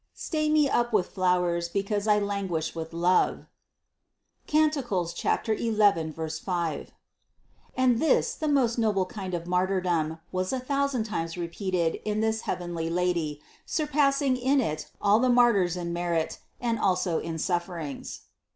"Stay me up with flowers, because I languish with love" (Cant. 11, 5). And this the most noble kind of martyrdom was a thousand times repeated in this heavenly Lady surpassing in it all the martyrs in merit, and also in sufferings.